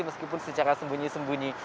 meskipun secara sembunyi sembunyi